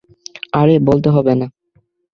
আরে, বলতে হবে না।